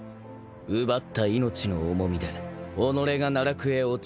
奪った命の重みで己が奈落へ落ちる剣。